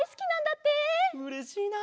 うれしいな！